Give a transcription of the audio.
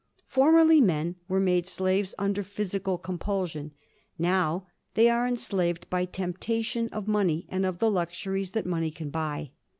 Formerly, men were made slaves under physical compulsion, now they are enslaved by temptation of money and of the luxuries that money can buy.